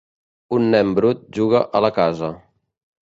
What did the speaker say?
Un nen brut juga a la casa